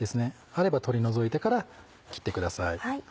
あれば取り除いてから切ってください。